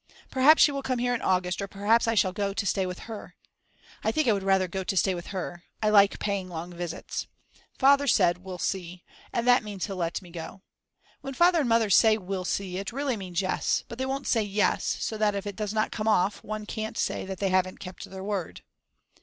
Perhaps she will come here in August or perhaps I shall go to stay with her. I think I would rather go to stay with her. I like paying long visits. Father said: "We'll see," and that means he'll let me go. When Father and Mother say We'll see it really means Yes; but they won't say "yes" so that if it does not come off one can't say that they haven't kept their word.